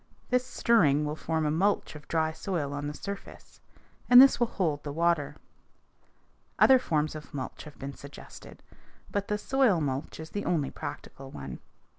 This stirring will form a mulch of dry soil on the surface, and this will hold the water. Other forms of mulch have been suggested, but the soil mulch is the only practical one.